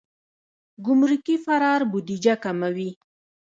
ګمرکي فرار بودیجه کموي.